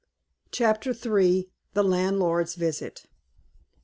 CHAPTER III. THE LANDLORD'S VISIT.